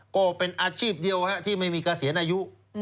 ก็เป็นอาชีพเดียวที่ไม่มีเกษียณอายุ